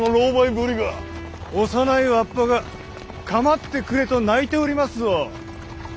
幼いわっぱが構ってくれと泣いておりますぞ。